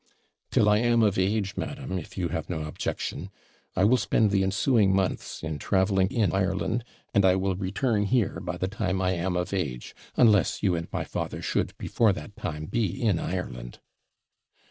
'Till I am of age, madam, if you have no objection. I will spend the ensuing months in travelling in Ireland; and I will return here by the time I am of age, unless you and my father should, before that time, be in Ireland.'